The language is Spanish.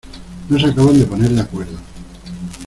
No se acaban de poner de acuerdo.